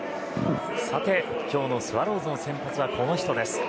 さて、今日のスワローズの先発はこの人です。